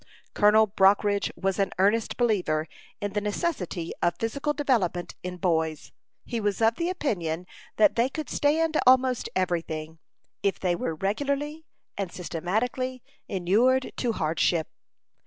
Colonel Brockridge was an earnest believer in the necessity of physical development in boys. He was of the opinion that they could stand almost every thing, if they were regularly and systematically inured to hardship.